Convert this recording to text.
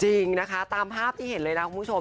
จริงนะคะตามภาพที่เห็นเลยนะคุณผู้ชม